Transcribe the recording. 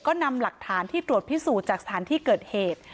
ก็นำหลักฐานที่ตรวจพิสูจน์จากสถานที่เกิดเหตุ